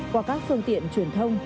qua các phương tiện truyền thông